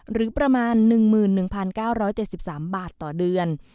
หรือประมาณ๑๑๙๗๓บาทต่อเดือน